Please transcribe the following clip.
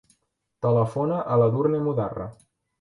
Telefona a l'Edurne Mudarra.